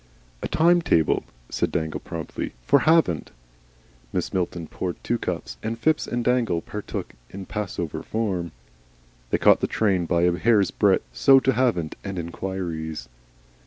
"A time table," said Dangle, promptly, "for Havant." Mrs. Milton poured two cups, and Phipps and Dangle partook in passover form. They caught the train by a hair's breadth. So to Havant and inquiries.